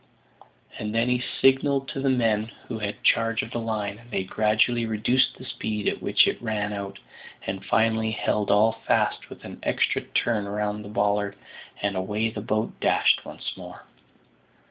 And then he signalled to the men who had charge of the line, and they gradually reduced the speed at which it ran out, and finally held all fast with an extra turn round the bollard, and away the boat dashed once more.